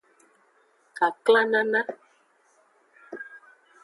Kaklanana.